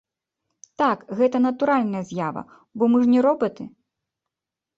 Так, гэта натуральная з'ява, бо мы ж не робаты.